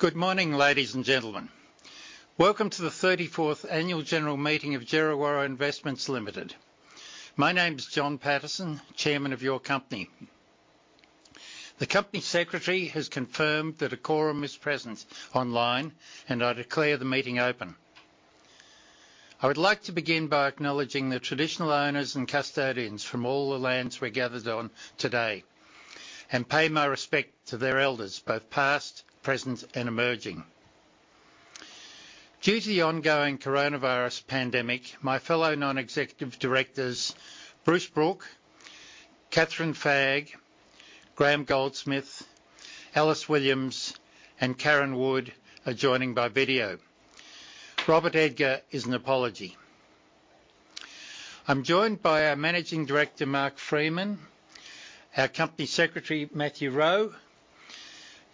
Good morning, ladies and gentlemen. Welcome to the 34th Annual General Meeting of Djerriwarrh Investments Limited. My name is John Paterson, Chairman of your company. The Company Secretary has confirmed that a quorum is present online, and I declare the meeting open. I would like to begin by acknowledging the traditional owners and custodians from all the lands we're gathered on today and pay my respect to their elders, both past, present, and emerging. Due to the ongoing coronavirus pandemic, my fellow Non-Executive Directors, Bruce Brook, Kathryn Fagg, Graham Goldsmith, Alice Williams, and Karen Wood are joining by video. Robert Edgar is an apology. I'm joined by our Managing Director, Mark Freeman, our Company Secretary, `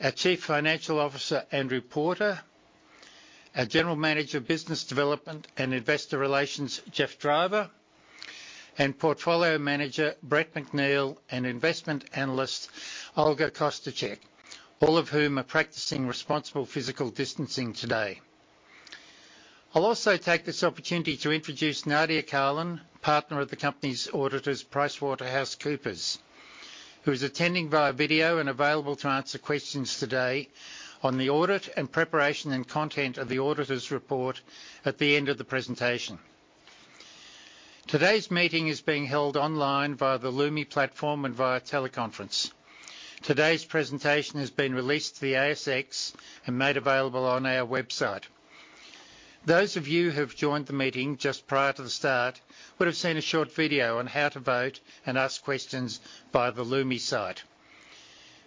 our Chief Financial Officer, Andrew Porter, our General Manager of Business Development and Investor Relations, Geoff Driver, and Portfolio Manager, Brett McNeill, and Investment Analyst, Olga Kosciuczyk. All of whom are practicing responsible physical distancing today. I'll also take this opportunity to introduce Nadia Carlin, partner of the company's auditors, PricewaterhouseCoopers, who is attending via video and available to answer questions today on the audit and preparation and content of the auditor's report at the end of the presentation. Today's meeting is being held online via the Lumi platform and via teleconference. Today's presentation has been released to the ASX and made available on our website. Those of you who've joined the meeting just prior to the start would've seen a short video on how to vote and ask questions via the Lumi site.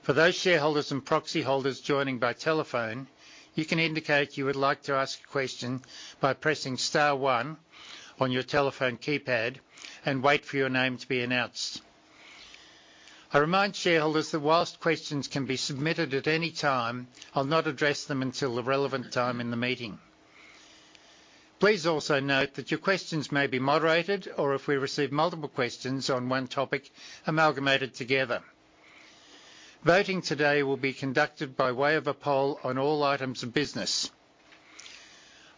For those shareholders and proxy holders joining by telephone, you can indicate you would like to ask a question by pressing star one on your telephone keypad and wait for your name to be announced. I remind shareholders that whilst questions can be submitted at any time, I'll not address them until the relevant time in the meeting. Please also note that your questions may be moderated or, if we receive multiple questions on one topic, amalgamated together. Voting today will be conducted by way of a poll on all items of business.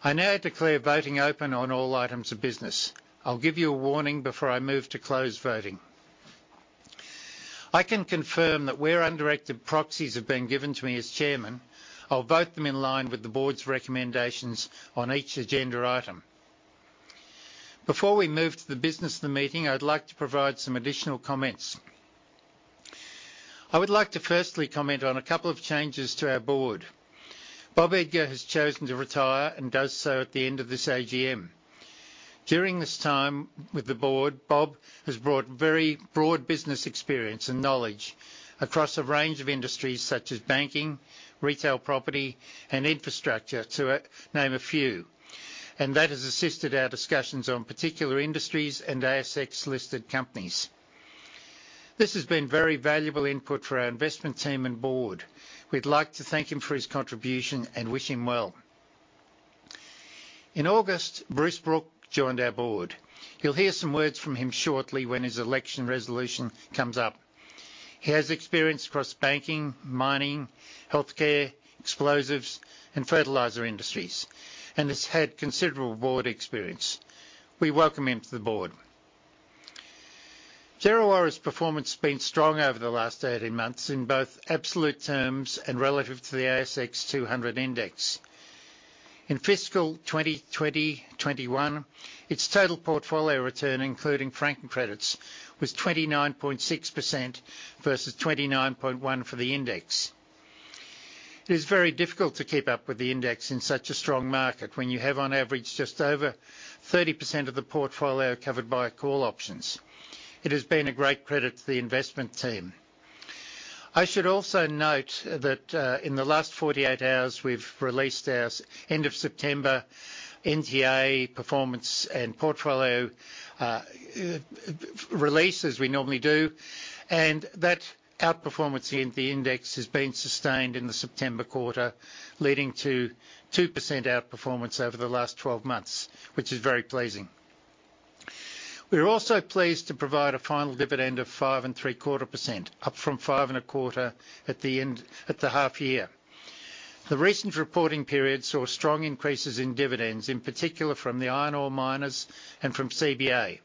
I now declare voting open on all items of business. I'll give you a warning before I move to close voting. I can confirm that where undirected proxies have been given to me as Chairman, I'll vote them in line with the board's recommendations on each agenda item. Before we move to the business of the meeting, I would like to provide some additional comments. I would like to firstly comment on a couple of changes to our board. Bob Edgar has chosen to retire and does so at the end of this AGM. During his time with the board, Bob has brought very broad business experience and knowledge across a range of industries, such as banking, retail property, and infrastructure, to name a few. That has assisted our discussions on particular industries and ASX-listed companies. This has been very valuable input for our investment team and board. We'd like to thank him for his contribution and wish him well. In August, Bruce Brook joined our board. You'll hear some words from him shortly when his election resolution comes up. He has experience across banking, mining, healthcare, explosives, and fertilizer industries and has had considerable board experience. We welcome him to the board. Djerriwarrh's performance has been strong over the last 18 months in both absolute terms and relative to the ASX 200 index. In Fiscal 2020-2021, its total portfolio return, including franking credits, was 29.6% versus 29.1% for the index. It is very difficult to keep up with the index in such a strong market when you have, on average, just over 30% of the portfolio covered by call options. It has been a great credit to the investment team. I should also note that, in the last 48 hours, we've released our end of September NTA performance and portfolio release, as we normally do, and that outperformance in the index has been sustained in the September quarter, leading to 2% outperformance over the last 12 months, which is very pleasing. We're also pleased to provide a final dividend of 5.75%, up from 5.25% at the half year. The recent reporting period saw strong increases in dividends, in particular from the iron ore miners and from CBA.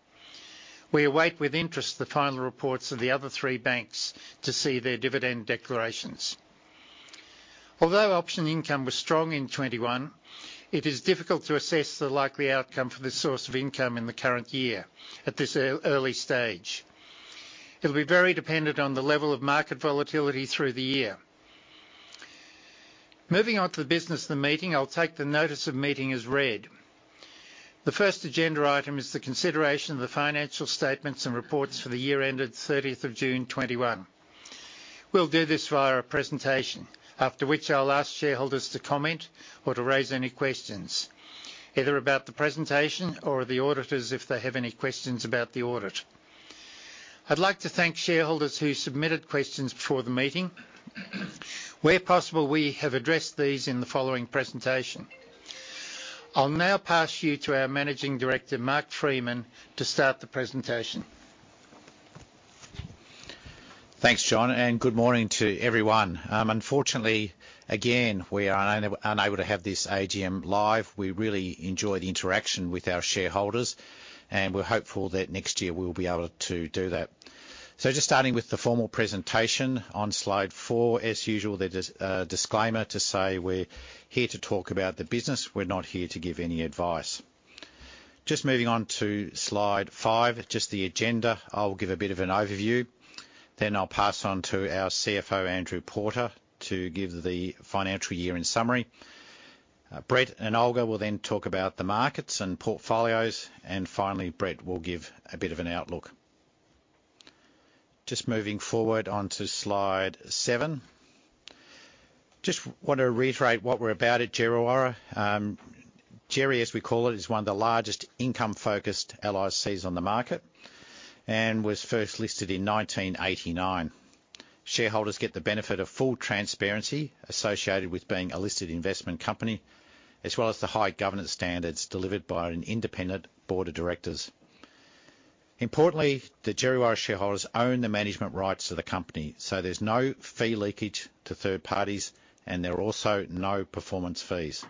We await with interest the final reports of the other three banks to see their dividend declarations. Although option income was strong in 2021, it is difficult to assess the likely outcome for this source of income in the current year at this early stage. It'll be very dependent on the level of market volatility through the year. Moving on to the business of the meeting, I'll take the notice of meeting as read. The first agenda item is the consideration of the financial statements and reports for the year-ended 30th of June 2021. We'll do this via a presentation, after which I'll ask shareholders to comment or to raise any questions, either about the presentation or the auditors if they have any questions about the audit. I'd like to thank shareholders who submitted questions before the meeting. Where possible, we have addressed these in the following presentation. I'll now pass you to our Managing Director, Mark Freeman, to start the presentation. Thanks, John. Good morning to everyone. Unfortunately, again, we are unable to have this AGM live. We really enjoy the interaction with our shareholders. We're hopeful that next year we'll be able to do that. Just starting with the formal presentation on Slide four. As usual, there's a disclaimer to say we're here to talk about the business. We're not here to give any advice. Just moving on to Slide five, just the agenda. I'll give a bit of an overview. I'll pass on to our CFO, Andrew Porter, to give the financial year-end summary. Brett and Olga will talk about the markets and portfolios. Finally, Brett will give a bit of an outlook. Just moving forward onto Slide seven. Just want to reiterate what we're about at Djerriwarrh. Djerri, as we call it, is one of the largest income-focused LICs on the market and was first listed in 1989. Shareholders get the benefit of full transparency associated with being a listed investment company, as well as the high governance standards delivered by an Independent Board of Directors. Importantly, the Djerriwarrh shareholders own the management rights to the company, so there's no fee leakage to third parties, and there are also no performance fees.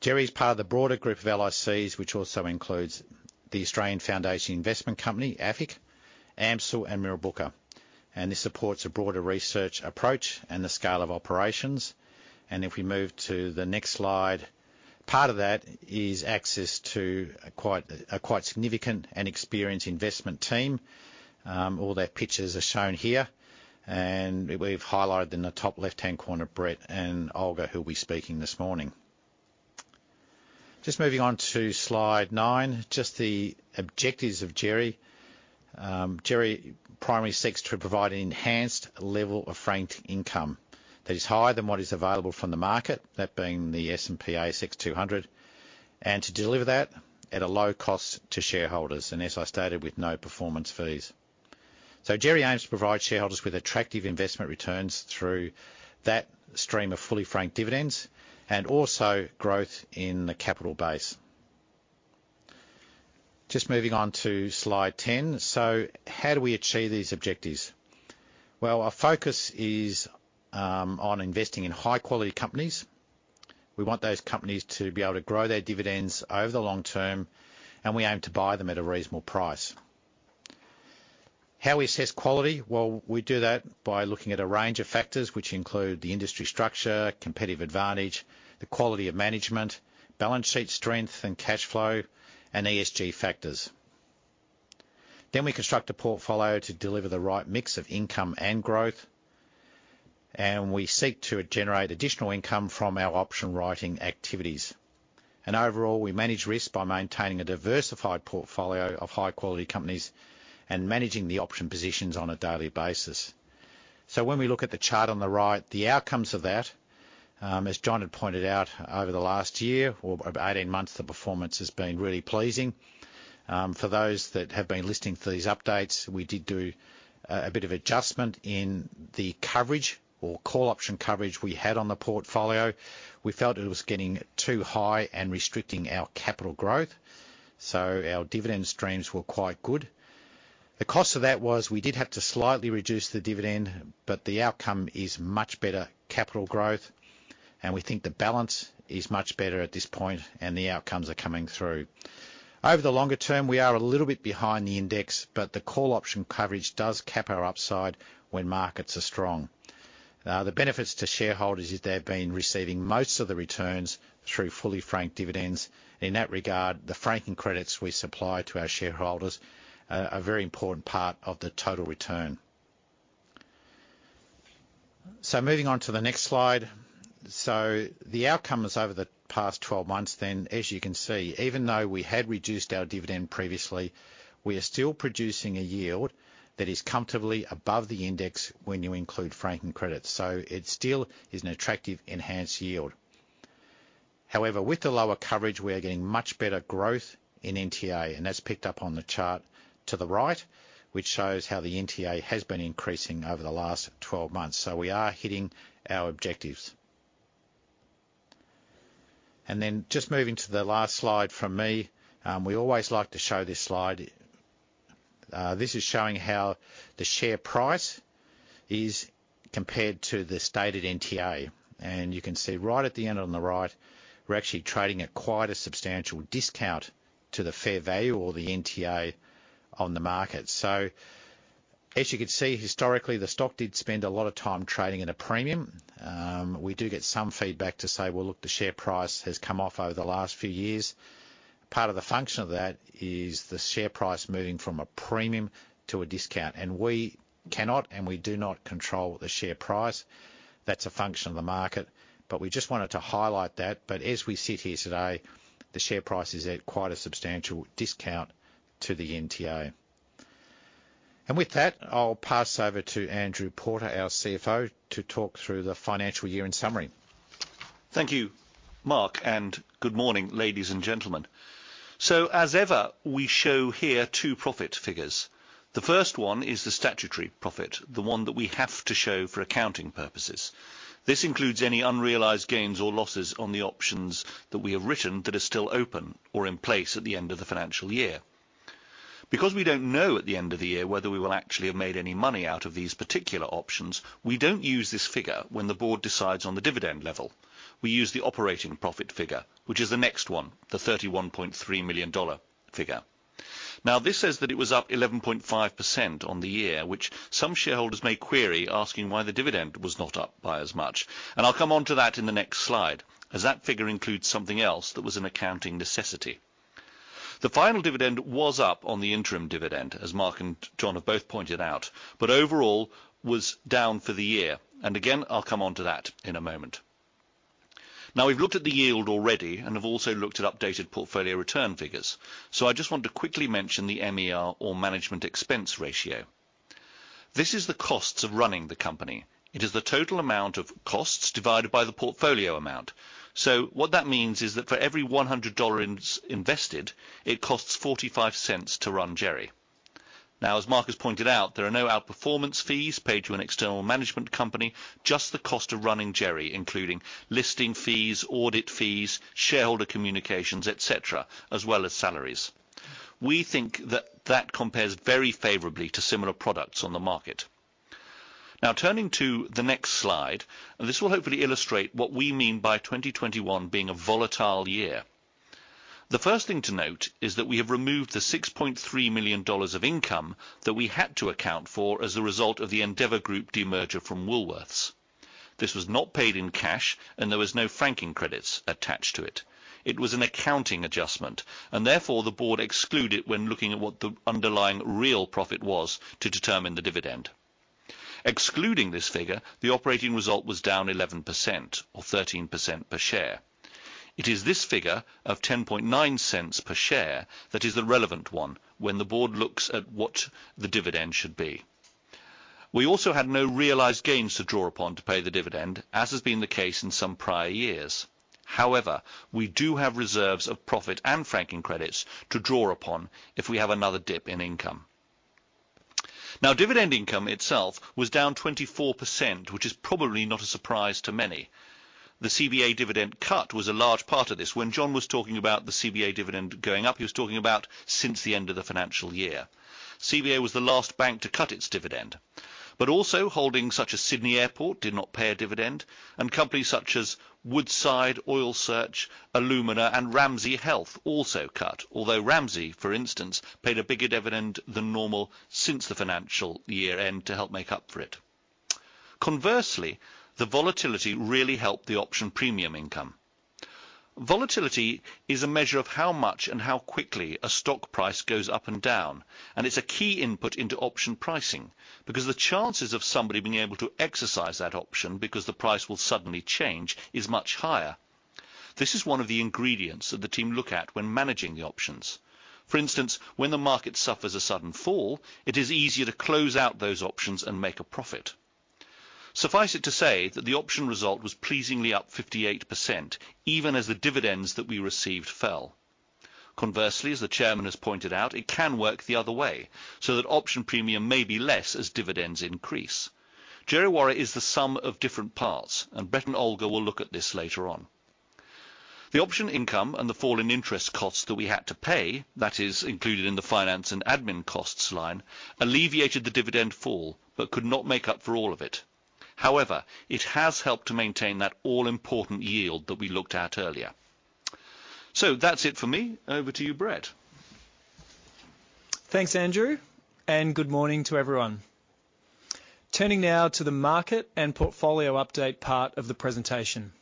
Djerri is part of the broader group of LICs, which also includes the Australian Foundation Investment Company, AFIC, AMCIL, and Mirrabooka, and this supports a broader research approach and the scale of operations. If we move to the next slide, part of that is access to a quite significant and experienced investment team. All their pictures are shown here, and we've highlighted in the top left-hand corner, Brett and Olga, who'll be speaking this morning. Moving on to Slide nine, the objectives of Djerri. Djerri primarily seeks to provide an enhanced level of franked income that is higher than what is available from the market, that being the S&P/ASX 200, and to deliver that at a low cost to shareholders and, as I stated, with no performance fees. Djerri aims to provide shareholders with attractive investment returns through that stream of fully franked dividends and also growth in the capital base. Moving on to Slide 10. How do we achieve these objectives? Well, our focus is on investing in high-quality companies. We want those companies to be able to grow their dividends over the long-term, and we aim to buy them at a reasonable price. How we assess quality? Well, we do that by looking at a range of factors, which include the industry structure, competitive advantage, the quality of management, balance sheet strength and cash flow, and ESG factors. We construct a portfolio to deliver the right mix of income and growth, we seek to generate additional income from our option writing activities. Overall, we manage risk by maintaining a diversified portfolio of high-quality companies and managing the option positions on a daily basis. When we look at the chart on the right, the outcomes of that, as John had pointed out, over the last year or over 18 months, the performance has been really pleasing. For those that have been listening to these updates, we did do a bit of adjustment in the coverage or call option coverage we had on the portfolio. We felt it was getting too high and restricting our capital growth. Our dividend streams were quite good. The cost of that was we did have to slightly reduce the dividend. The outcome is much better capital growth, and we think the balance is much better at this point and the outcomes are coming through. Over the longer-term, we are a little bit behind the index. The call option coverage does cap our upside when markets are strong. The benefits to shareholders is they've been receiving most of the returns through fully franked dividends. In that regard, the franking credits we supply to our shareholders are a very important part of the total return. Moving on to the next slide. The outcomes over the past 12 months then, as you can see, even though we had reduced our dividend previously, we are still producing a yield that is comfortably above the index when you include franking credits. It still is an attractive enhanced yield. However, with the lower coverage, we are getting much better growth in NTA, and that's picked up on the chart to the right, which shows how the NTA has been increasing over the last 12 months. We are hitting our objectives. Just moving to the last slide from me. We always like to show this slide. This is showing how the share price is compared to the stated NTA. You can see right at the end on the right, we're actually trading at quite a substantial discount to the fair value or the NTA on the market. As you can see, historically, the stock did spend a lot of time trading at a premium. We do get some feedback to say, "Well, look, the share price has come off over the last few years." Part of the function of that is the share price moving from a premium to a discount. We cannot and we do not control the share price. That's a function of the market, but we just wanted to highlight that. As we sit here today, the share price is at quite a substantial discount to the NTA. With that, I'll pass over to Andrew Porter, our CFO, to talk through the financial year in summary. Thank you, Mark. Good morning, ladies and gentlemen. As ever, we show here two profit figures. The first one is the statutory profit, the one that we have to show for accounting purposes. This includes any unrealized gains or losses on the options that we have written that are still open or in place at the end of the financial year. We don't know at the end of the year whether we will actually have made any money out of these particular options, we don't use this figure when the board decides on the dividend level. We use the operating profit figure, which is the next one, the 31.3 million dollar figure. This says that it was up 11.5% on the year, which some shareholders may query, asking why the dividend was not up by as much. I'll come on to that in the next slide, as that figure includes something else that was an accounting necessity. The final dividend was up on the interim dividend, as Mark and John have both pointed out, overall, was down for the year. Again, I'll come on to that in a moment. We've looked at the yield already, have also looked at updated portfolio return figures. I just want to quickly mention the MER, or management expense ratio. This is the costs of running the company. It is the total amount of costs divided by the portfolio amount. What that means is that for every 100 dollars invested, it costs 0.45 to run Djerri. As Mark has pointed out, there are no outperformance fees paid to an external management company, just the cost of running Djerri, including listing fees, audit fees, shareholder communications, et cetera, as well as salaries. We think that compares very favorably to similar products on the market. Turning to the next slide, and this will hopefully illustrate what we mean by 2021 being a volatile year. The first thing to note is that we have removed the 6.3 million dollars of income that we had to account for as a result of the Endeavour Group demerger from Woolworths. This was not paid in cash, and there was no franking credits attached to it. It was an accounting adjustment, and therefore the board exclude it when looking at what the underlying real profit was to determine the dividend. Excluding this figure, the operating result was down 11% or 13% per share. It is this figure of 0.109 per share that is the relevant one when the board looks at what the dividend should be. We also had no realized gains to draw upon to pay the dividend, as has been the case in some prior years. We do have reserves of profit and franking credits to draw upon if we have another dip in income. Dividend income itself was down 24%, which is probably not a surprise to many. The CBA dividend cut was a large part of this. When John was talking about the CBA dividend going up, he was talking about since the end of the financial year. CBA was the last bank to cut its dividend. Also holdings such as Sydney Airport did not pay a dividend, and companies such as Woodside, Oil Search, Alumina and Ramsay Health also cut. Although Ramsay, for instance, paid a bigger dividend than normal since the financial year-end to help make up for it. Conversely, the volatility really helped the option premium income. Volatility is a measure of how much and how quickly a stock price goes up and down, and it's a key input into option pricing because the chances of somebody being able to exercise that option because the price will suddenly change is much higher. This is one of the ingredients that the team look at when managing the options. For instance, when the market suffers a sudden fall, it is easier to close out those options and make a profit. Suffice it to say that the option result was pleasingly up 58%, even as the dividends that we received fell. As the Chairman has pointed out, it can work the other way, so that option premium may be less as dividends increase. Djerriwarrh is the sum of different parts, Brett and Olga will look at this later on. The option income and the fall in interest costs that we had to pay, that is included in the finance and admin costs line, alleviated the dividend fall, could not make up for all of it. However, it has helped to maintain that all important yield that we looked at earlier. That's it for me. Over to you, Brett. Thanks, Andrew, and good morning to everyone. Turning now to the market and portfolio update part of the presentation.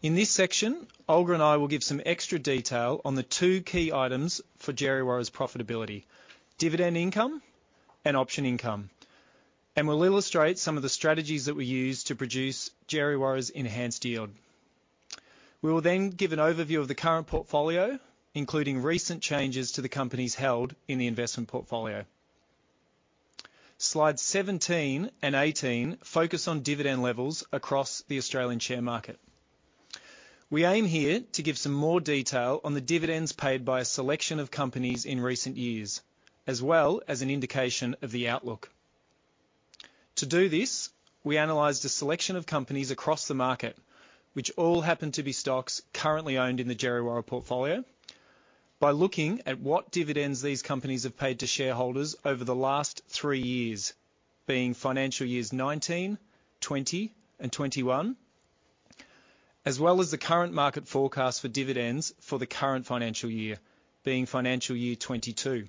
In this section, Olga and I will give some extra detail on the two key items for Djerriwarrh's profitability: dividend income and option income. We'll illustrate some of the strategies that we use to produce Djerriwarrh's enhanced yield. We will then give an overview of the current portfolio, including recent changes to the companies held in the investment portfolio. Slides 17 and 18 focus on dividend levels across the Australian share market. We aim here to give some more detail on the dividends paid by a selection of companies in recent years, as well as an indication of the outlook. To do this, we analyzed a selection of companies across the market, which all happen to be stocks currently owned in the Djerriwarrh portfolio, by looking at what dividends these companies have paid to shareholders over the last three years, being financial years 2019, 2020 and 2021, as well as the current market forecast for dividends for the current financial year, being financial year 2022.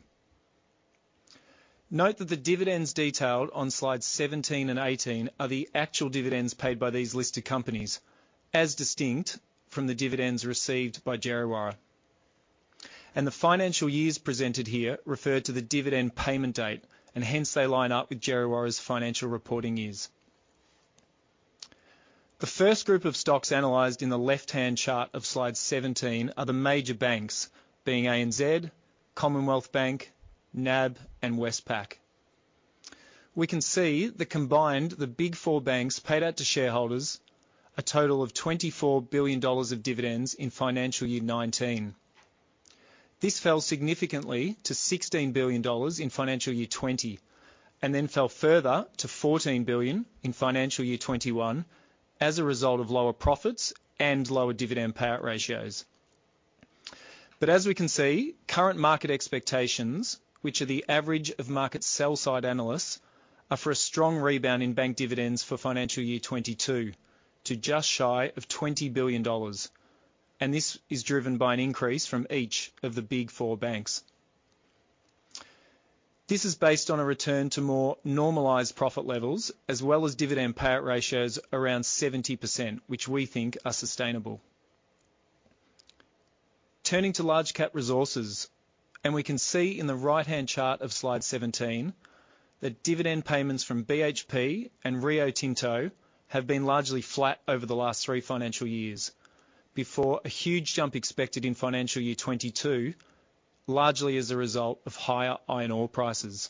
Note that the dividends detailed on slides 17 and 18 are the actual dividends paid by these listed companies, as distinct from the dividends received by Djerriwarrh. The financial years presented here refer to the dividend payment date, and hence they line up with Djerriwarrh's financial reporting years. The first group of stocks analyzed in the left-hand chart of Slide 17 are the major banks, being ANZ, Commonwealth Bank, NAB and Westpac. We can see that combined, the Big Four banks paid out to shareholders a total of 24 billion dollars of dividends in financial year 2019. This fell significantly to 16 billion dollars in financial year 2020. Then fell further to 14 billion in financial year 2021 as a result of lower profits and lower dividend payout ratios. As we can see, current market expectations, which are the average of market sell side analysts, are for a strong rebound in bank dividends for financial year 2022 to just shy of 20 billion dollars. This is driven by an increase from each of the Big Four banks. This is based on a return to more normalized profit levels as well as dividend payout ratios around 70%, which we think are sustainable. Turning to large cap resources, we can see in the right-hand chart of Slide 17, that dividend payments from BHP and Rio Tinto have been largely flat over the last three financial years, before a huge jump expected in financial year 2022, largely as a result of higher iron ore prices.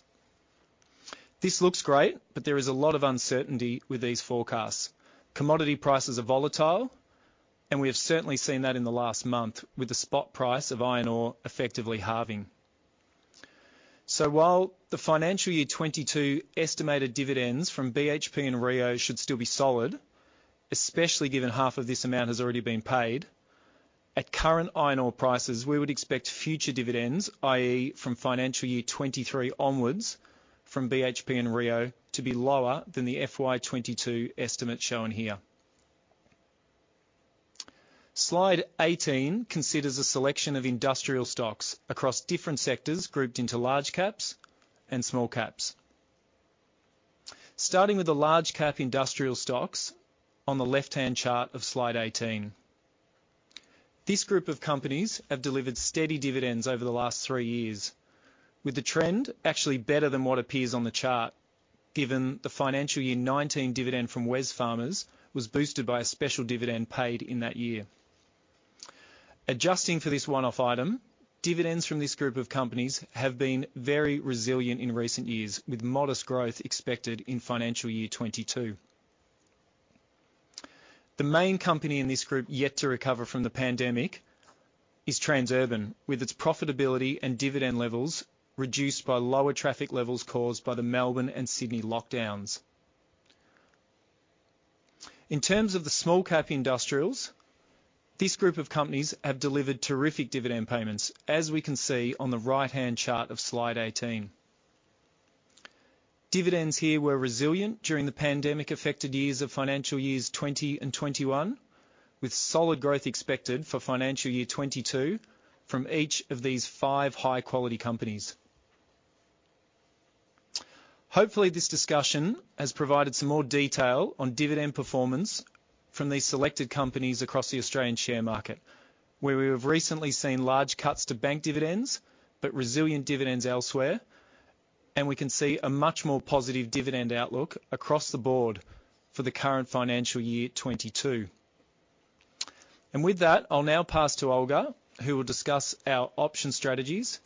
This looks great, there is a lot of uncertainty with these forecasts. Commodity prices are volatile, we have certainly seen that in the last month with the spot price of iron ore effectively halving. While the financial year 2022 estimated dividends from BHP and Rio should still be solid, especially given half of this amount has already been paid, at current iron ore prices, we would expect future dividends, i.e. from financial year 2023 onwards from BHP and Rio, to be lower than the FY 2022 estimate shown here. Slide 18 considers a selection of industrial stocks across different sectors grouped into large caps and small caps. Starting with the large cap industrial stocks on the left-hand chart of Slide 18. This group of companies have delivered steady dividends over the last three years, with the trend actually better than what appears on the chart, given the financial year 2019 dividend from Wesfarmers was boosted by a special dividend paid in that year. Adjusting for this one-off item, dividends from this group of companies have been very resilient in recent years, with modest growth expected in financial year 2022. The main company in this group yet to recover from the pandemic is Transurban, with its profitability and dividend levels reduced by lower traffic levels caused by the Melbourne and Sydney lockdowns. In terms of the small cap industrials, this group of companies have delivered terrific dividend payments, as we can see on the right-hand chart of Slide 18. Dividends here were resilient during the pandemic-affected years of financial years 2020 and 2021, with solid growth expected for financial year 2022 from each of these five high quality companies. Hopefully, this discussion has provided some more detail on dividend performance from these selected companies across the Australian share market, where we have recently seen large cuts to bank dividends, but resilient dividends elsewhere. We can see a much more positive dividend outlook across the board for the current financial year 2022. With that, I'll now pass to Olga, who will discuss our option strategies,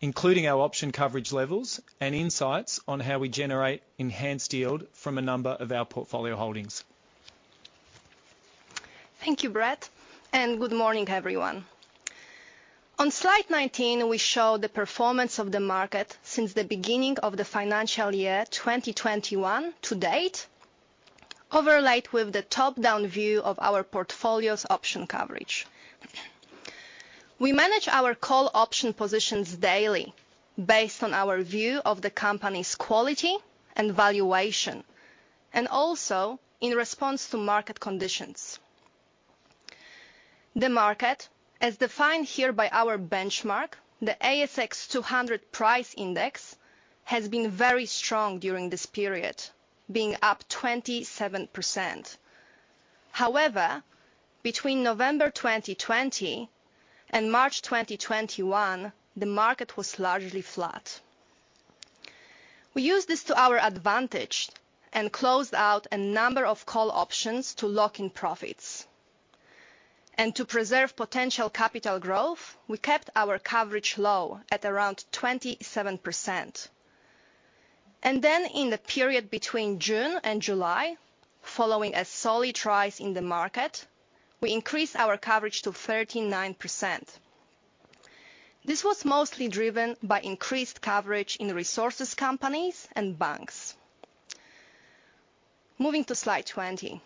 including our option coverage levels and insights on how we generate enhanced yield from a number of our portfolio holdings. Thank you, Brett, and good morning, everyone. On slide 19, we show the performance of the market since the beginning of the financial year 2021 to date, overlaid with the top-down view of our portfolio's option coverage. We manage our call option positions daily based on our view of the company's quality and valuation, and also in response to market conditions. The market, as defined here by our benchmark, the S&P/ASX 200 Price Index, has been very strong during this period, being up 27%. However, between November 2020 and March 2021, the market was largely flat. We used this to our advantage and closed out a number of call options to lock in profits. To preserve potential capital growth, we kept our coverage low at around 27%. Then in the period between June and July, following a solid rise in the market, we increased our coverage to 39%. This was mostly driven by increased coverage in resources companies and banks. Moving to Slide 20.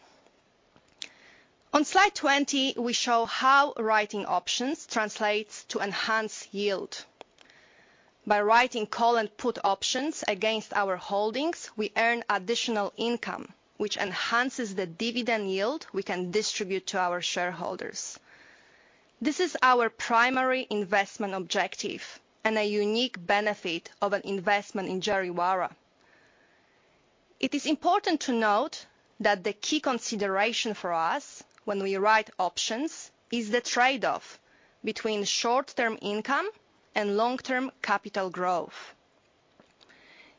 On Slide 20, we show how writing options translates to enhanced yield. By writing call and put options against our holdings, we earn additional income, which enhances the dividend yield we can distribute to our shareholders. This is our primary investment objective and a unique benefit of an investment in Djerriwarrh. It is important to note that the key consideration for us when we write options is the trade-off between short-term income and long-term capital growth.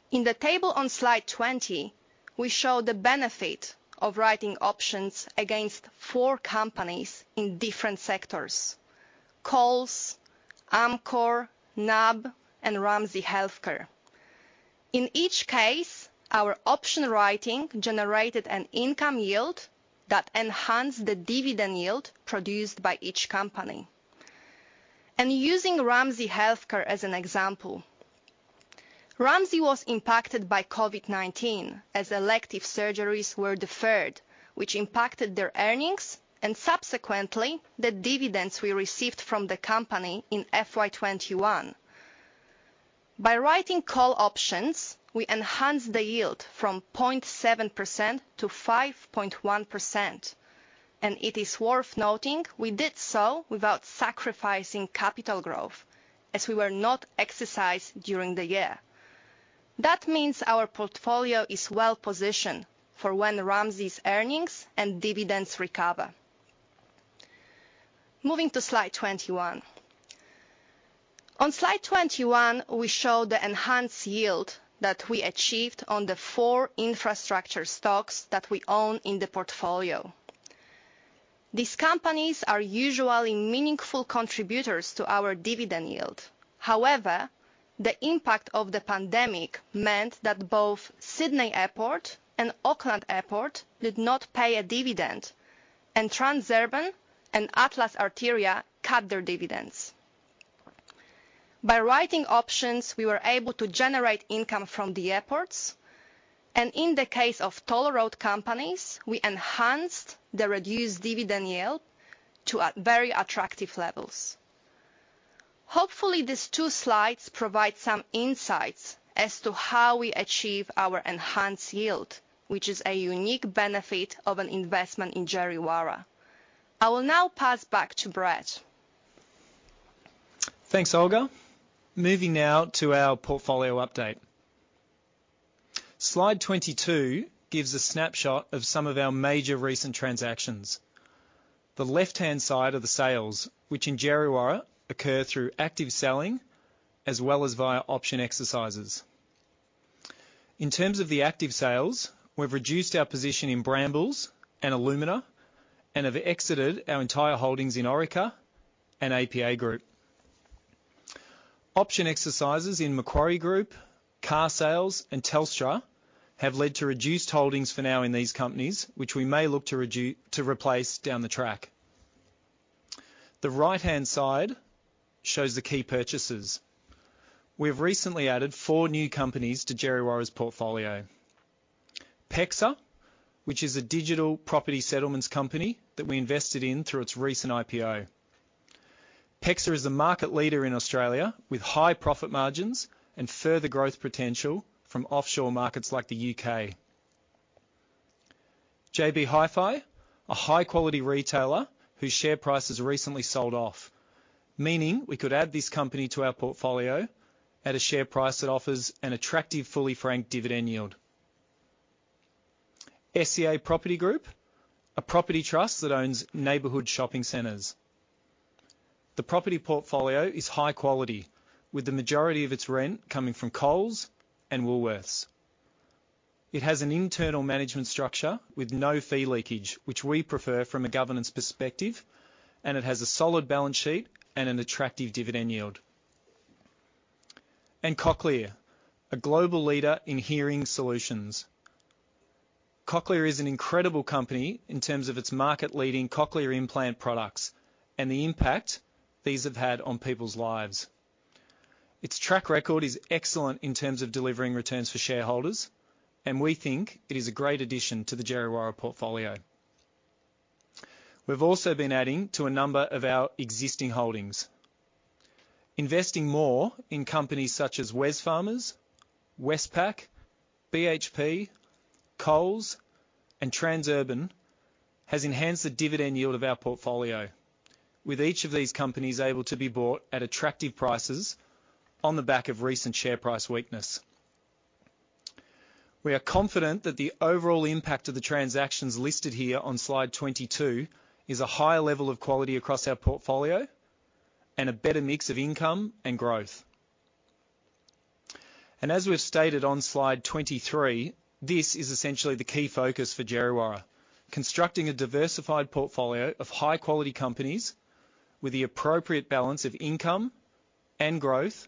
In the table on Slide 20, we show the benefit of writing options against four companies in different sectors: Coles, Amcor, NAB, and Ramsay Health Care. In each case, our option writing generated an income yield that enhanced the dividend yield produced by each company. Using Ramsay Health Care as an example. Ramsay was impacted by COVID-19 as elective surgeries were deferred, which impacted their earnings and subsequently, the dividends we received from the company in FY 2021. By writing call options, we enhanced the yield from 0.7%-5.1%, and it is worth noting we did so without sacrificing capital growth, as we were not exercised during the year. That means our portfolio is well-positioned for when Ramsay's earnings and dividends recover. Moving to Slide 21. On Slide 21, we show the enhanced yield that we achieved on the four infrastructure stocks that we own in the portfolio. These companies are usually meaningful contributors to our dividend yield. However, the impact of the pandemic meant that both Sydney Airport and Auckland Airport did not pay a dividend, and Transurban and Atlas Arteria cut their dividends. By writing options, we were able to generate income from the airports, and in the case of toll road companies, we enhanced the reduced dividend yield to very attractive levels. Hopefully, these two slides provide some insights as to how we achieve our enhanced yield, which is a unique benefit of an investment in Djerriwarrh. I will now pass back to Brett. Thanks, Olga. Moving now to our portfolio update. Slide 22 gives a snapshot of some of our major recent transactions. The left-hand side are the sales, which in Djerriwarrh occur through active selling as well as via option exercises. In terms of the active sales, we've reduced our position in Brambles and Alumina, and have exited our entire holdings in Orica and APA Group. Option exercises in Macquarie Group, Carsales, and Telstra have led to reduced holdings for now in these companies, which we may look to replace down the track. The right-hand side shows the key purchases. We've recently added four new companies to Djerriwarrh's portfolio. PEXA, which is a digital property settlements company that we invested in through its recent IPO. PEXA is the market leader in Australia with high profit margins and further growth potential from offshore markets like the U.K. JB Hi-Fi, a high-quality retailer whose share price has recently sold off, meaning we could add this company to our portfolio at a share price that offers an attractive, fully franked dividend yield. SCA Property Group, a property trust that owns neighborhood shopping centers. The property portfolio is high quality, with the majority of its rent coming from Coles and Woolworths. It has an internal management structure with no fee leakage, which we prefer from a governance perspective, and it has a solid balance sheet and an attractive dividend yield. Cochlear, a global leader in hearing solutions. Cochlear is an incredible company in terms of its market-leading cochlear implant products and the impact these have had on people's lives. Its track record is excellent in terms of delivering returns for shareholders, and we think it is a great addition to the Djerriwarrh portfolio. We've also been adding to a number of our existing holdings. Investing more in companies such as Wesfarmers, Westpac, BHP, Coles, and Transurban has enhanced the dividend yield of our portfolio, with each of these companies able to be bought at attractive prices on the back of recent share price weakness. We are confident that the overall impact of the transactions listed here on Slide 22 is a higher level of quality across our portfolio and a better mix of income and growth. As we've stated on Slide 23, this is essentially the key focus for Djerriwarrh, constructing a diversified portfolio of high-quality companies with the appropriate balance of income and growth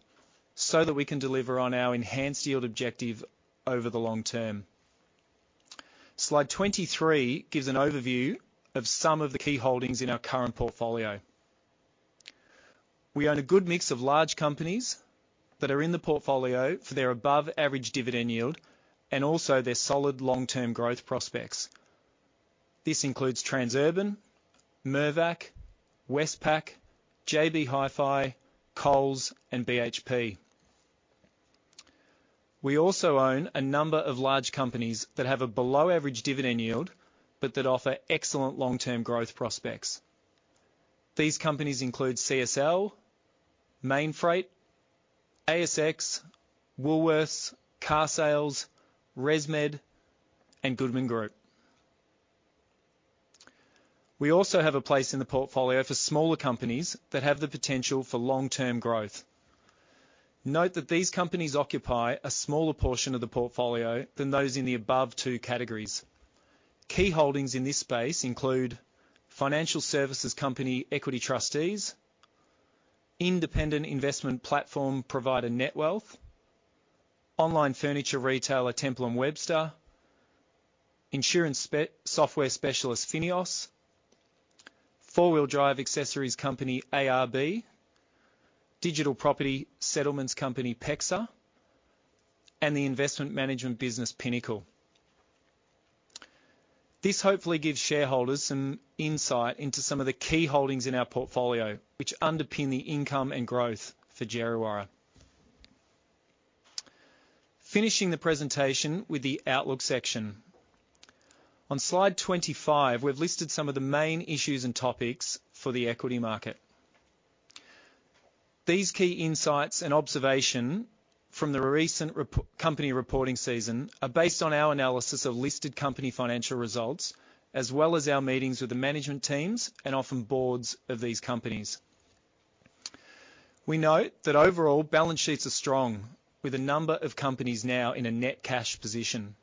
so that we can deliver on our enhanced yield objective over the long-term. Slide 23 gives an overview of some of the key holdings in our current portfolio. We own a good mix of large companies that are in the portfolio for their above-average dividend yield and also their solid long-term growth prospects. This includes Transurban, Mirvac, Westpac, JB Hi-Fi, Coles, and BHP. We also own a number of large companies that have a below-average dividend yield but that offer excellent long-term growth prospects. These companies include CSL, Mainfreight, ASX, Woolworths, Carsales, ResMed, and Goodman Group. We also have a place in the portfolio for smaller companies that have the potential for long-term growth. Note that these companies occupy a smaller portion of the portfolio than those in the above two categories. Key holdings in this space include financial services company Equity Trustees, independent investment platform provider Netwealth, online furniture retailer Temple & Webster Insurance software specialist FINEOS, four-wheel drive accessories company ARB, digital property settlements company PEXA, and the investment management business Pinnacle. This hopefully gives shareholders some insight into some of the key holdings in our portfolio, which underpin the income and growth for Djerriwarrh. Finishing the presentation with the outlook section. On Slide 25, we've listed some of the main issues and topics for the equity market. These key insights and observation from the recent company reporting season are based on our analysis of listed company financial results, as well as our meetings with the management teams and often boards of these companies. We note that overall balance sheets are strong, with a number of companies now in a net cash position.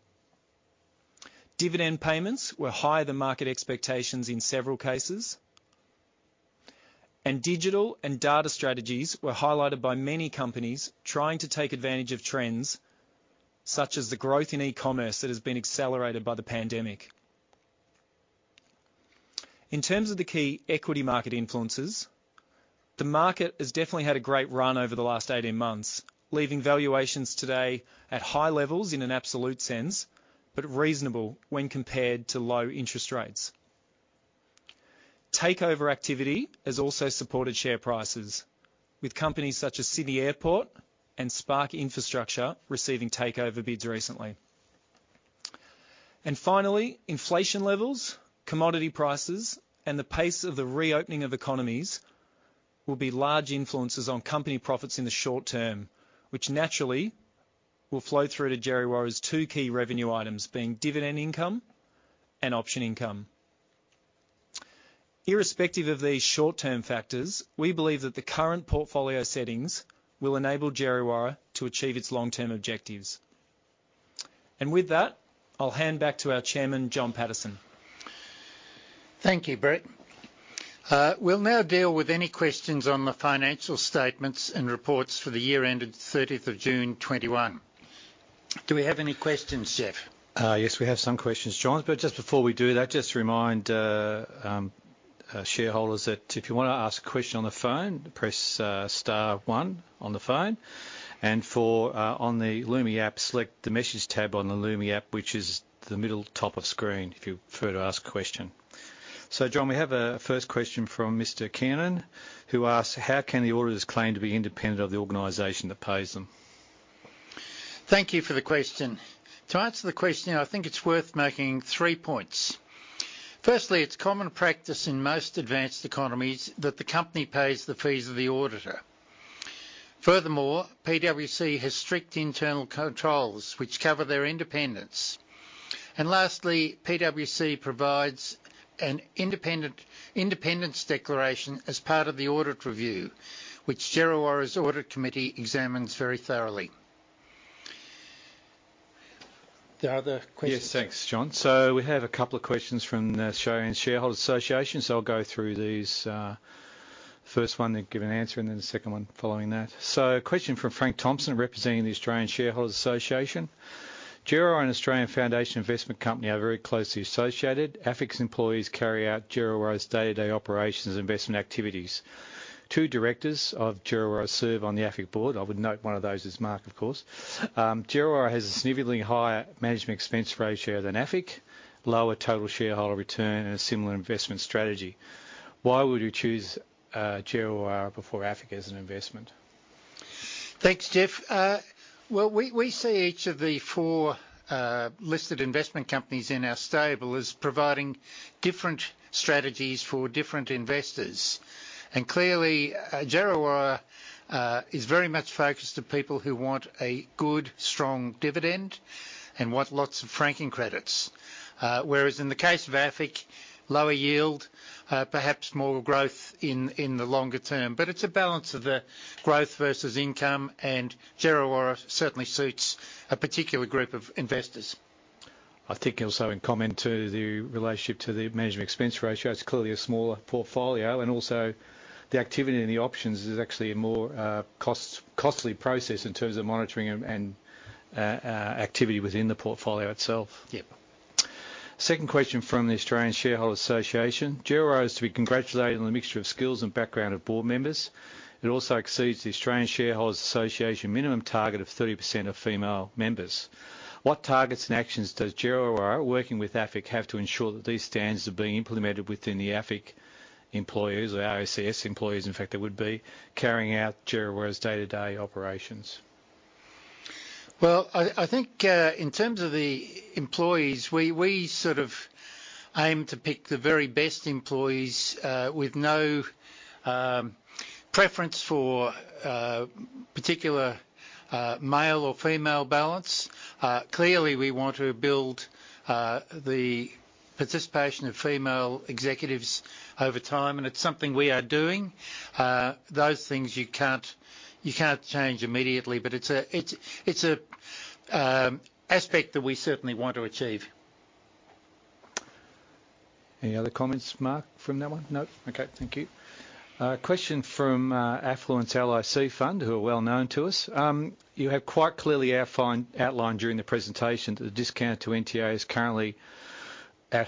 Dividend payments were higher than market expectations in several cases. Digital and data strategies were highlighted by many companies trying to take advantage of trends, such as the growth in e-commerce that has been accelerated by the pandemic. In terms of the key equity market influences, the market has definitely had a great run over the last 18 months, leaving valuations today at high levels in an absolute sense, but reasonable when compared to low interest rates. Takeover activity has also supported share prices, with companies such as Sydney Airport and Spark Infrastructure receiving takeover bids recently. Finally, inflation levels, commodity prices, and the pace of the reopening of economies will be large influences on company profits in the short-term, which naturally will flow through to Djerriwarrh's two key revenue items being dividend income and option income. Irrespective of these short-term factors, we believe that the current portfolio settings will enable Djerriwarrh to achieve its long-term objectives. With that, I'll hand back to our chairman, John Paterson. Thank you, Brett. We'll now deal with any questions on the financial statements and reports for the year-ended 30th of June 2021. Do we have any questions, Geoff? Yes, we have some questions, John Paterson. Just before we do that, just to remind shareholders that if you want to ask a question on the phone, press star one on the phone. On the Lumi app, select the message tab on the Lumi app, which is the middle top of screen if you prefer to ask a question. John Paterson, we have a first question from Mr. Cannon, who asks, "How can the auditors claim to be independent of the organization that pays them? Thank you for the question. To answer the question, I think it's worth making three points. Firstly, it's common practice in most advanced economies that the company pays the fees of the auditor. Furthermore, PwC has strict internal controls which cover their independence. Lastly, PwC provides an independence declaration as part of the audit review, which Djerriwarrh's Audit Committee examines very thoroughly. There are other questions? Yes. Thanks, John. We have a couple of questions from the Australian Shareholders' Association, so I'll go through these. First one, then give an answer, and then the second one following that. A question from Frank Thompson representing the Australian Shareholders' Association. Djerriwarrh and Australian Foundation Investment Company are very closely associated. AFIC's employees carry out Djerriwarrh's day-to-day operations and investment activities. Two directors of Djerriwarrh serve on the AFIC board. I would note one of those is Mark, of course. Djerriwarrh has a significantly higher management expense ratio than AFIC, lower total shareholder return, and a similar investment strategy. Why would you choose Djerriwarrh before AFIC as an investment? Thanks, Geoff. Well, we see each of the four listed investment companies in our stable as providing different strategies for different investors. Clearly, Djerriwarrh is very much focused to people who want a good, strong dividend and want lots of franking credits. Whereas in the case of AFIC, lower yield, perhaps more growth in the longer-term. It's a balance of the growth versus income, and Djerriwarrh certainly suits a particular group of investors. I think also in comment to the relationship to the management expense ratio, it's clearly a smaller portfolio, and also the activity in the options is actually a more costly process in terms of monitoring and activity within the portfolio itself. Yep. Second question from the Australian Shareholders' Association. Djerriwarrh is to be congratulated on the mixture of skills and background of board members. It also exceeds the Australian Shareholders' Association minimum target of 30% of female members. What targets and actions does Djerriwarrh, working with AFIC, have to ensure that these standards are being implemented within the AFIC employees or AICS employees, in fact, that would be carrying out Djerriwarrh's day-to-day operations? Well, I think, in terms of the employees, we sort of aim to pick the very best employees, with no preference for particular male or female balance. Clearly, we want to build the participation of female executives over time, and it's something we are doing. Those things you can't change immediately, but it's an aspect that we certainly want to achieve. Any other comments, Mark, from that one? No. Okay. Thank you. Question from Affluence LIC Fund, who are well-known to us. You have quite clearly outlined during the presentation that the discount to NTA is currently at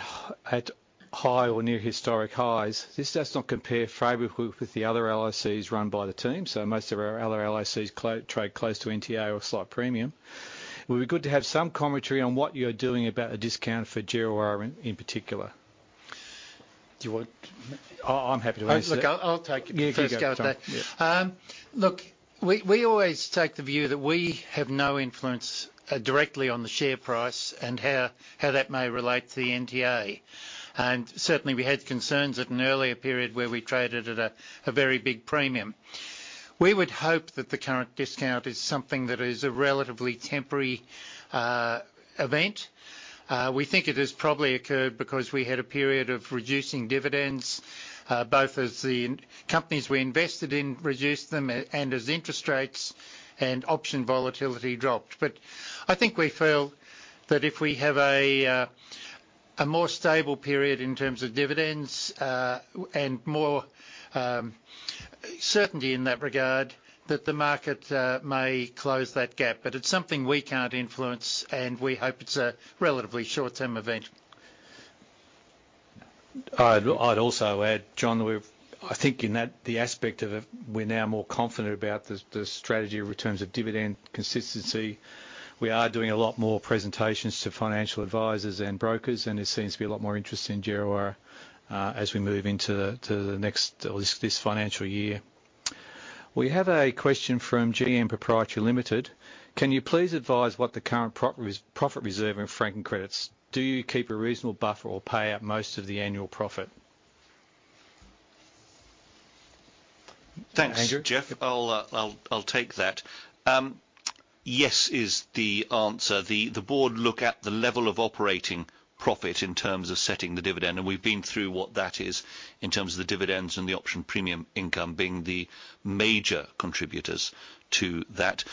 high or near historic highs. This does not compare favorably with the other LICs run by the team. Most of our other LICs trade close to NTA or slight premium. It would be good to have some commentary on what you're doing about a discount for Djerriwarrh in particular. I'm happy to answer that. Look, I'll take a first go at that. Yeah, you go, John. Yeah. Look, we always take the view that we have no influence directly on the share price and how that may relate to the NTA. Certainly, we had concerns at an earlier period where we traded at a very big premium. We would hope that the current discount is something that is a relatively temporary event. We think it has probably occurred because we had a period of reducing dividends, both as the companies we invested in reduced them and as interest rates and option volatility dropped. I think we feel that if we have a more stable period in terms of dividends, and more certainty in that regard, that the market may close that gap. It's something we can't influence, and we hope it's a relatively short-term event. I'd also add, John, that we're now more confident about the strategy in terms of dividend consistency. We are doing a lot more presentations to financial advisors and brokers, there seems to be a lot more interest in Djerriwarrh, as we move into this financial year. We have a question from GM Proprietary Limited. Can you please advise what the current profit reserve and franking credits? Do you keep a reasonable buffer or pay out most of the annual profit? Andrew? Thanks, Geoff. I'll take that. Yes is the answer. The board look at the level of operating profit in terms of setting the dividend, and we've been through what that is in terms of the dividends and the option premium income being the major contributors to that.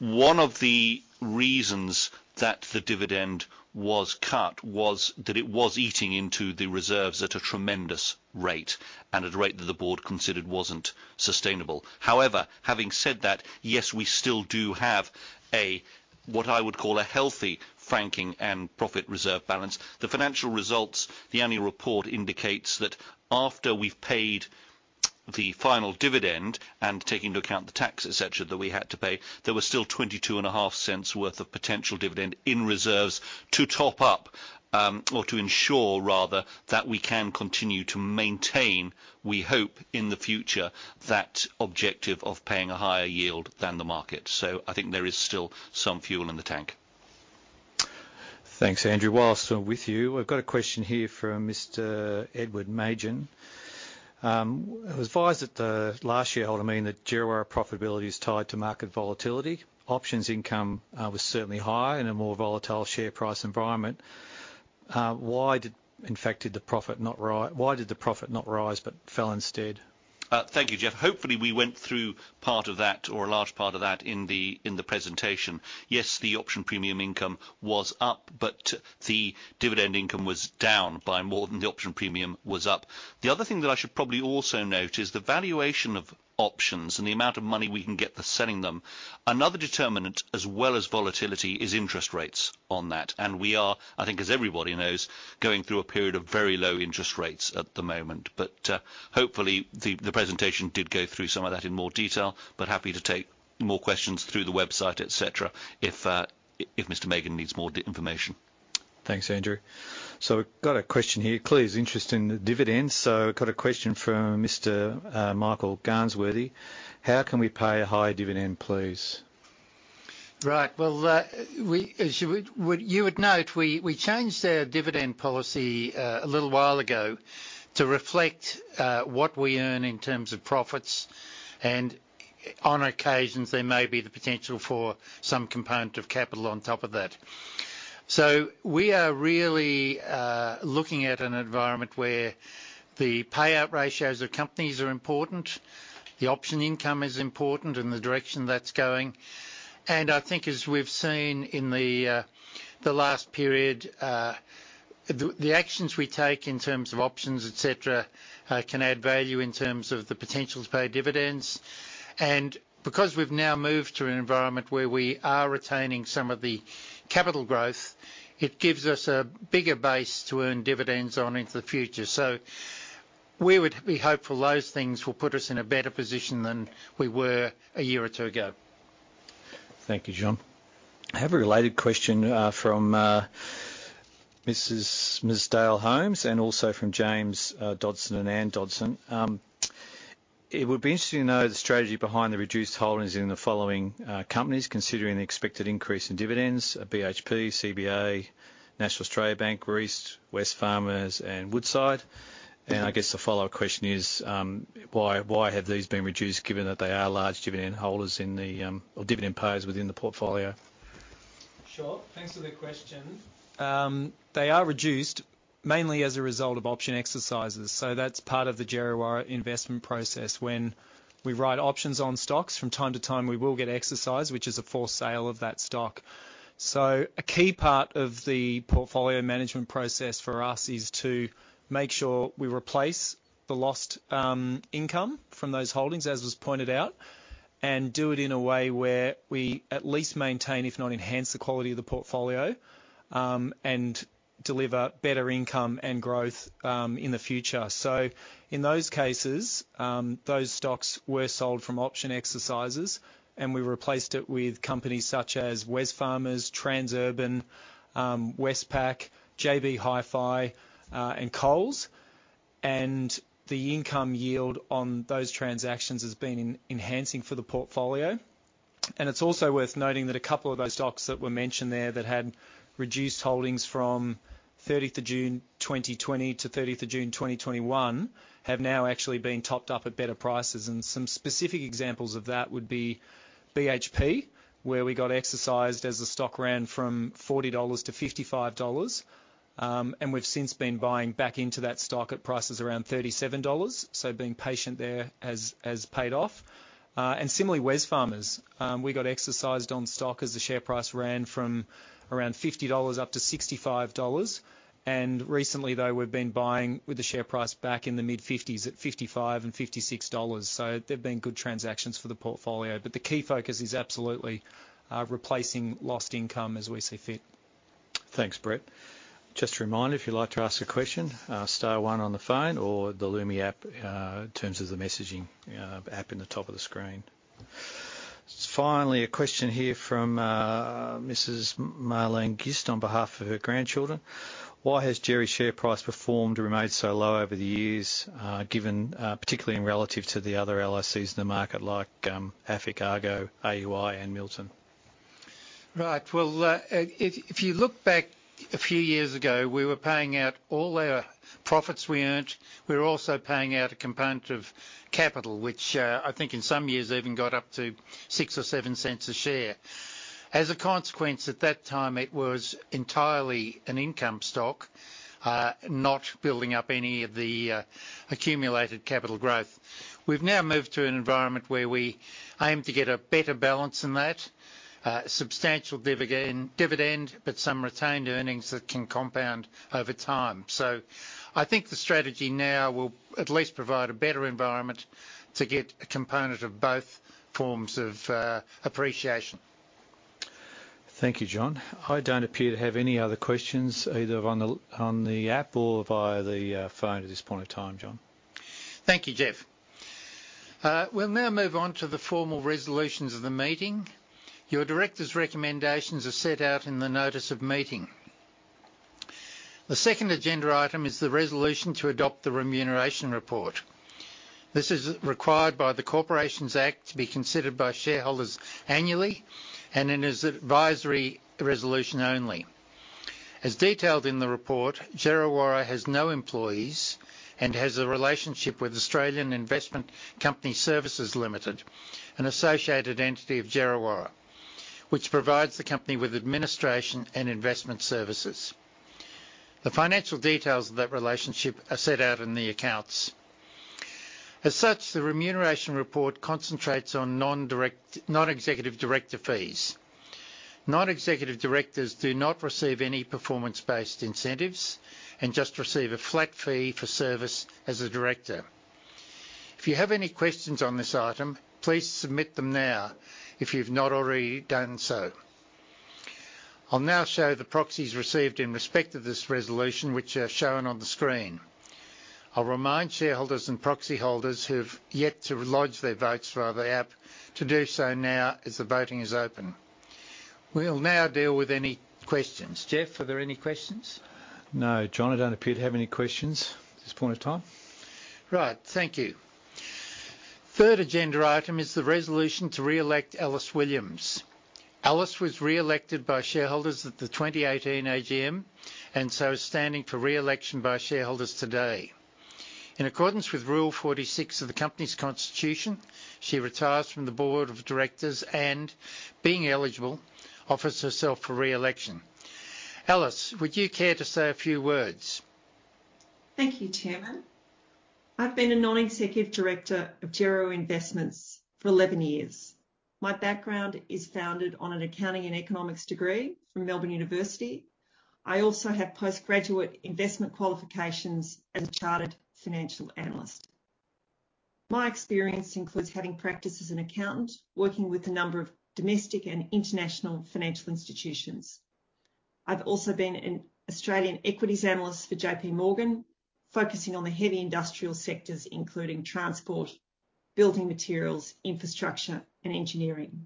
One of the reasons that the dividend was cut was that it was eating into the reserves at a tremendous rate, and at a rate that the board considered wasn't sustainable. However, having said that, yes, we still do have a, what I would call, a healthy franking and profit reserve balance. The financial results, the Annual Report indicates that after we've paid the final dividend and taking into account the tax, et cetera, that we had to pay, there was still 0.225 worth of potential dividend in reserves to top up, or to ensure rather, that we can continue to maintain, we hope in the future, that objective of paying a higher yield than the market. I think there is still some fuel in the tank. Thanks, Andrew. While we're with you, I've got a question here from Mr. Edward Magin. I was advised at the last shareholder meeting that Djerriwarrh profitability is tied to market volatility. Options income was certainly higher in a more volatile share price environment. Why did the profit not rise, but fell instead? Thank you, Geoff. Hopefully, we went through part of that or a large part of that in the presentation. Yes, the option premium income was up, the dividend income was down by more than the option premium was up. The other thing that I should probably also note is the valuation of options and the amount of money we can get for selling them. Another determinant as well as volatility is interest rates on that. We are, I think as everybody knows, going through a period of very low interest rates at the moment. Hopefully the presentation did go through some of that in more detail, but happy to take more questions through the website, et cetera, if Mr. Magin needs more information. Thanks, Andrew. We've got a question here. Clearly there's interest in the dividends. Got a question from Mr. Michael Garnsworthy. How can we pay a higher dividend, please? Right. Well, as you would note, we changed our dividend policy a little while ago to reflect what we earn in terms of profits. On occasions, there may be the potential for some component of capital on top of that. We are really looking at an environment where the payout ratios of companies are important, the option income is important, and the direction that's going. I think as we've seen in the last period, the actions we take in terms of options, et cetera, can add value in terms of the potential to pay dividends. Because we've now moved to an environment where we are retaining some of the capital growth, it gives us a bigger base to earn dividends on into the future. We would be hopeful those things will put us in a better position than we were a year or two ago. Thank you, John. I have a related question from Ms. Dale Holmes and also from James Dodson and Ann Dodson. It would be interesting to know the strategy behind the reduced holdings in the following companies, considering the expected increase in dividends at BHP, CBA, National Australia Bank, Reece, Wesfarmers, and Woodside. I guess the follow-up question is why have these been reduced given that they are large dividend payers within the portfolio? Sure. Thanks for the question. They are reduced mainly as a result of option exercises. That's part of the Djerriwarrh investment process. When we write options on stocks, from time to time, we will get exercise, which is a forced sale of that stock. A key part of the portfolio management process for us is to make sure we replace the lost income from those holdings, as was pointed out, and do it in a way where we at least maintain, if not enhance, the quality of the portfolio, and deliver better income and growth in the future. In those cases, those stocks were sold from option exercises, and we replaced it with companies such as Wesfarmers, Transurban, Westpac, JB Hi-Fi, and Coles. The income yield on those transactions has been enhancing for the portfolio. It's also worth noting that a couple of those stocks that were mentioned there that had reduced holdings from 30th June 2020 to 30th June 2021 have now actually been topped up at better prices. Some specific examples of that would be BHP, where we got exercised as the stock ran from 40-55 dollars. We've since been buying back into that stock at prices around 37 dollars. Being patient there has paid off. Similarly, Wesfarmers, we got exercised on stock as the share price ran from around 50 dollars up to 65 dollars. Recently, though, we've been buying with the share price back in the mid-50s at 55 and 56 dollars. They've been good transactions for the portfolio. The key focus is absolutely replacing lost income as we see fit. Thanks, Brett. Just a reminder, if you'd like to ask a question, star one on the phone or the Lumi app, in terms of the messaging app in the top of the screen. Finally, a question here from Mrs Marlene Gist on behalf of her grandchildren. Why has Djerri share price remained so low over the years, particularly relative to the other LICs in the market like AFIC, Argo, AUI and Milton? Right. Well, if you look back a few years ago, we were paying out all our profits we earned. We were also paying out a component of capital, which I think in some years even got up to 0.06 or 0.07 a share. As a consequence, at that time, it was entirely an income stock, not building up any of the accumulated capital growth. We've now moved to an environment where we aim to get a better balance in that: substantial dividend, but some retained earnings that can compound over time. I think the strategy now will at least provide a better environment to get a component of both forms of appreciation. Thank you, John. I don't appear to have any other questions either on the app or via the phone at this point in time, John? Thank you, Geoff. We'll now move on to the formal resolutions of the meeting. Your directors' recommendations are set out in the notice of meeting. The second agenda item is the resolution to adopt the remuneration report. This is required by the Corporations Act to be considered by shareholders annually, and it is advisory resolution only. As detailed in the report, Djerriwarrh has no employees and has a relationship with Australian Investment Company Services Limited, an associated entity of Djerriwarrh, which provides the company with administration and investment services. The financial details of that relationship are set out in the accounts. As such, the remuneration report concentrates on non-executive director fees. Non-executive directors do not receive any performance-based incentives and just receive a flat fee for service as a director. If you have any questions on this item, please submit them now if you've not already done so. I'll now show the proxies received in respect of this resolution, which are shown on the screen. I'll remind shareholders and proxy holders who've yet to lodge their votes via the app to do so now, as the voting is open. We'll now deal with any questions. Geoff, are there any questions? No, John, I don't appear to have any questions at this point in time. Right. Thank you. Third agenda item is the resolution to reelect Alice Williams. Alice was reelected by shareholders at the 2018 AGM and so is standing for reelection by shareholders today. In accordance with Rule 46 of the company's constitution, she retires from the Board of Directors and, being eligible, offers herself for reelection. Alice, would you care to say a few words? Thank you, Chairman. I've been a Non-Executive Director of Djerriwarrh Investments for 11 years. My background is founded on an accounting and economics degree from the Melbourne University. I also have postgraduate investment qualifications as a Chartered Financial Analyst. My experience includes having practice as an accountant, working with a number of domestic and international financial institutions. I've also been an Australian equities analyst for JPMorgan, focusing on the heavy industrial sectors including transport, building materials, infrastructure, and engineering.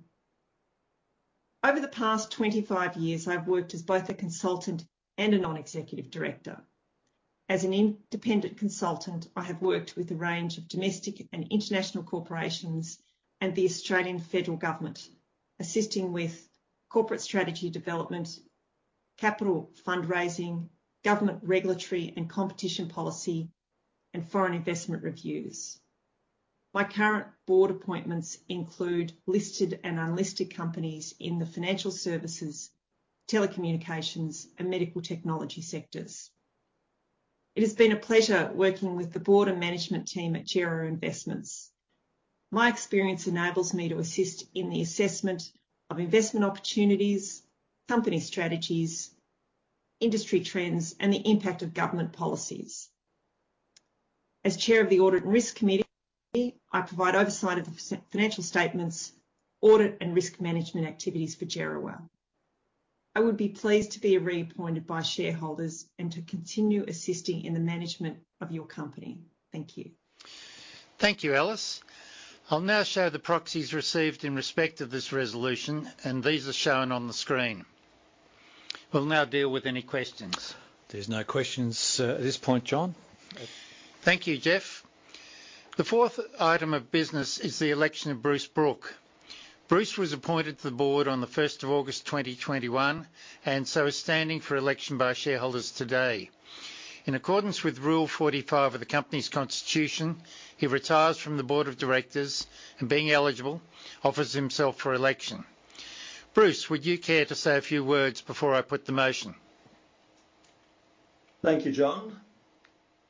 Over the past 25 years, I've worked as both a Consultant and a Non-Executive Director. As an Independent Consultant, I have worked with a range of domestic and international corporations and the Australian Federal Government, assisting with corporate strategy development, capital fundraising, government regulatory and competition policy, and foreign investment reviews. My current board appointments include listed and unlisted companies in the financial services, telecommunications, and medical technology sectors. It has been a pleasure working with the board and management team at Djerriwarrh Investments. My experience enables me to assist in the assessment of investment opportunities, company strategies, industry trends, and the impact of government policies. As Chair of the Audit and Risk Committee, I provide oversight of the financial statements, audit, and risk management activities for Djerriwarrh. I would be pleased to be reappointed by shareholders and to continue assisting in the management of your company. Thank you. Thank you, Alice. I'll now show the proxies received in respect of this resolution, and these are shown on the screen. We'll now deal with any questions. There's no questions at this point, John. Thank you, Geoff. The fourth item of business is the election of Bruce Brook. Bruce was appointed to the board on the 1st of August 2021, and so is standing for election by shareholders today. In accordance with Rule 45 of the company's constitution, he retires from the Board of Directors and being eligible, offers himself for election. Bruce, would you care to say a few words before I put the motion? Thank you, John.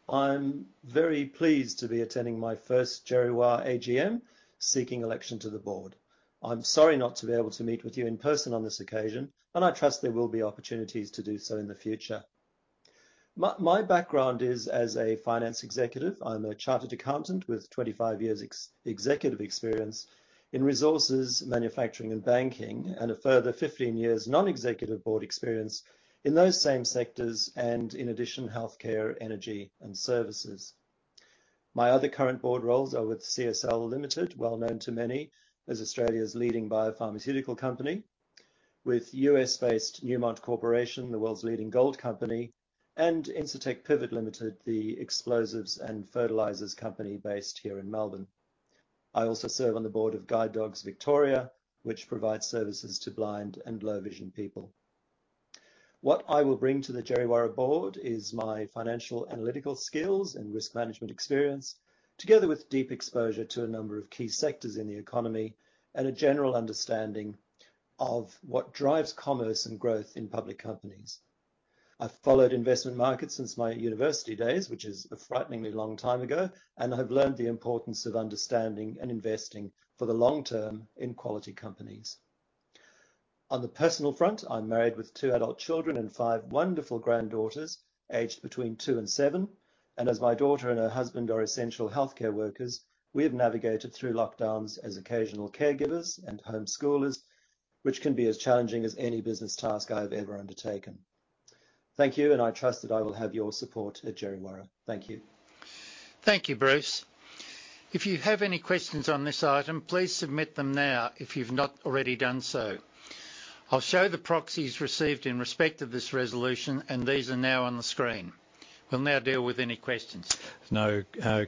I'm very pleased to be attending my first Djerriwarrh AGM seeking election to the board. I'm sorry not to be able to meet with you in person on this occasion, and I trust there will be opportunities to do so in the future. My background is as a finance executive. I'm a chartered accountant with 25 years ex-executive experience in resources, manufacturing, and banking, and a further 15 years non-executive board experience in those same sectors and in addition, healthcare, energy, and services. My other current board roles are with CSL Limited, well known to many as Australia's leading biopharmaceutical company, with U.S.-based Newmont Corporation, the world's leading gold company, and Incitec Pivot Limited, the explosives and fertilizers company based here in Melbourne. I also serve on the board of Guide Dogs Victoria, which provides services to blind and low-vision people. What I will bring to the Djerriwarrh board is my financial analytical skills and risk management experience, together with deep exposure to a number of key sectors in the economy and a general understanding of what drives commerce and growth in public companies. I've followed investment markets since my university days, which is a frighteningly long time ago, and I have learned the importance of understanding and investing for the long-term in quality companies. On the personal front, I'm married with two adult children and five wonderful granddaughters aged between two and seven, and as my daughter and her husband are essential healthcare workers, we have navigated through lockdowns as occasional caregivers and homeschoolers, which can be as challenging as any business task I've ever undertaken. Thank you, and I trust that I will have your support at Djerriwarrh. Thank you Thank you, Bruce. If you have any questions on this item, please submit them now if you've not already done so. I'll show the proxies received in respect of this resolution. These are now on the screen. We'll now deal with any questions. No,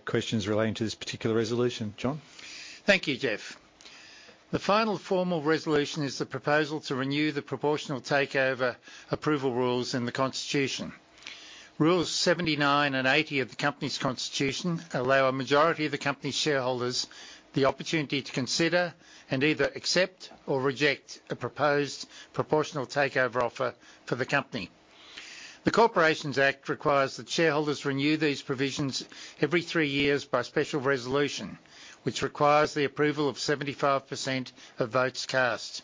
questions relating to this particular resolution, John. Thank you, Geoff. The final formal resolution is the proposal to renew the proportional takeover approval rules in the constitution. Rules 79 and 80 of the company's constitution allow a majority of the company shareholders the opportunity to consider and either accept or reject a proposed proportional takeover offer for the company. The Corporations Act requires that shareholders renew these provisions every three years by special resolution, which requires the approval of 75% of votes cast.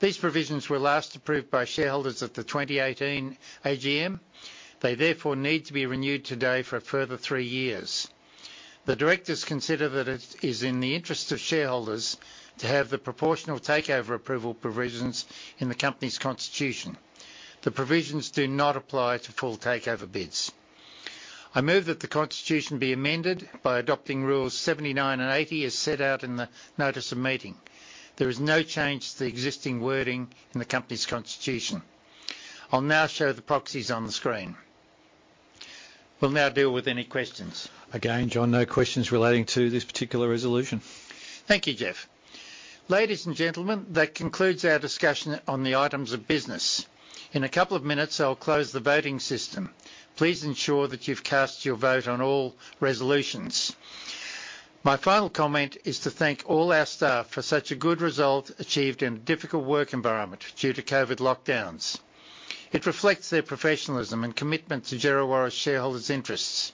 These provisions were last approved by shareholders at the 2018 AGM. They therefore need to be renewed today for a further three years. The directors consider that it is in the interest of shareholders to have the proportional takeover approval provisions in the company's constitution. The provisions do not apply to full takeover bids. I move that the constitution be amended by adopting Rules 79 and 80 as set out in the notice of meeting. There is no change to the existing wording in the company's constitution. I'll now show the proxies on the screen. We'll now deal with any questions. Again, John, no questions relating to this particular resolution. Thank you, Geoff. Ladies and gentlemen, that concludes our discussion on the items of business. In a couple of minutes, I'll close the voting system. Please ensure that you've cast your vote on all resolutions. My final comment is to thank all our staff for such a good result achieved in a difficult work environment due to COVID-19 lockdowns. It reflects their professionalism and commitment to Djerriwarrh shareholders' interests.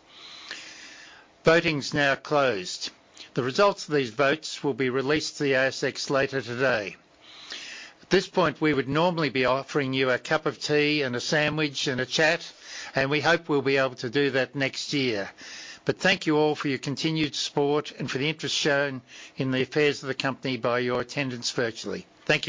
Voting's now closed. The results of these votes will be released to the ASX later today. At this point, we would normally be offering you a cup of tea and a sandwich and a chat. We hope we'll be able to do that next year. Thank you all for your continued support and for the interest shown in the affairs of the company by your attendance virtually. Thank you